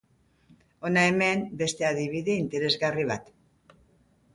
Hona hemen beste adibide interesgarri bat!